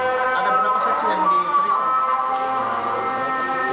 ada beberapa saksi yang diperiksa